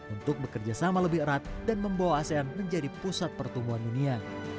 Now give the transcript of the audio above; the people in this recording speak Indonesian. untuk bekerja sama lebih erat dan membawa asean menjadi pusat pertumbuhan dunia